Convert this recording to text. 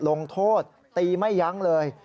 ลงโทษตีไม่ยั้งเลย